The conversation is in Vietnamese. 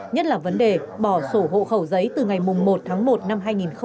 nhất là vấn đề bỏ sổ hộ khẩu giấy từ ngày một tháng một năm hai nghìn hai mươi